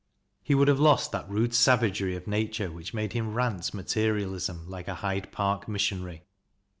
He would have lost that rude savagery of nature which made him rant materialism like a Hyde Park missionary.